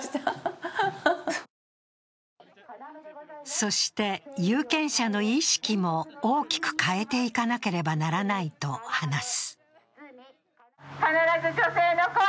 そして、有権者の意識も大きく変えていかなければならないと話す。